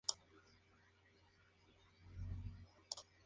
Numerosos artículos de investigación han apoyado la teoría.